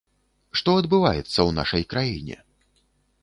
Што адбываецца ў нашай краіне?